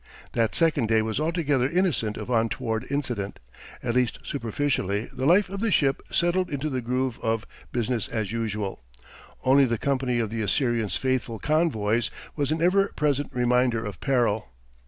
That second day was altogether innocent of untoward incident. At least superficially the life of the ship settled into the groove of "business as usual." Only the company of the Assyrian's faithful convoys was an ever present reminder of peril.